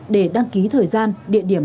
để đăng ký thời gian địa điểm